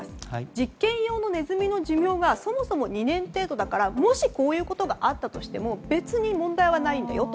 実験用のネズミの寿命はそもそも２年程度だからもし、こういうことがあったとしても別に問題はないんだよと。